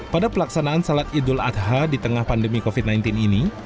pada pelaksanaan salat idul adha di tengah pandemi covid sembilan belas ini